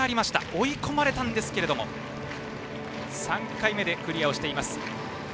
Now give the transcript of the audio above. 追い込まれたんですけれども３回目でクリアをしています。